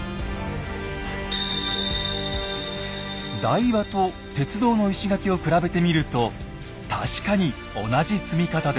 台場と鉄道の石垣を比べてみると確かに同じ積み方です。